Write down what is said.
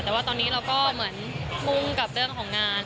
แต่ว่าตอนนี้เราก็เหมือนมุ่งกับเรื่องของงาน